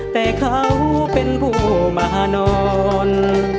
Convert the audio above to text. แต่เขาเป็นผู้มานอน